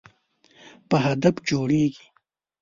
په هدف جوړیږي.